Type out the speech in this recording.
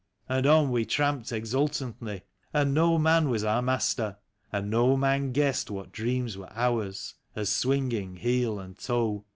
As on we tramped exultantly, and no man was our master. And no man guessed what dreams were ours, as swinging heel and toe.